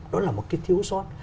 đó là một cái thiếu sót